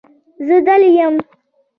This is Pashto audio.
زه دلې یم.